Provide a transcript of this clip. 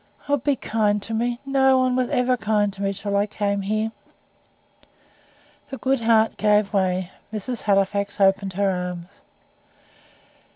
"Oh! be kind to me! Nobody was ever kind to me till I came here!" The good heart gave way: Mrs. Halifax opened her arms.